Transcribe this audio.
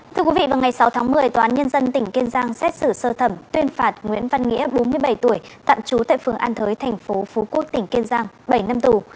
thưa quý vị vào ngày sáu tháng một mươi tòa án nhân dân tỉnh kiên giang xét xử sơ thẩm tuyên phạt nguyễn văn nghĩa bốn mươi bảy tuổi tạm trú tại phường an thới thành phố phú quốc tỉnh kiên giang bảy năm tù